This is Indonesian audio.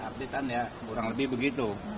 update an ya kurang lebih begitu